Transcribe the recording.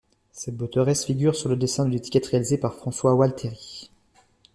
Cette botteresse figure sur le dessin de l'étiquette réalisé par François Walthéry.